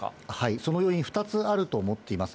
その要因、２つあると思っています。